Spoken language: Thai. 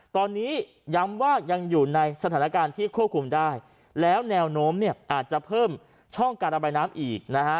ตอนนี้ย้ำว่ายังอยู่ในสถานการณ์ที่ควบคุมได้แล้วแนวโน้มเนี่ยอาจจะเพิ่มช่องการระบายน้ำอีกนะฮะ